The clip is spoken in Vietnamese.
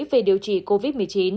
về điều trị covid một mươi chín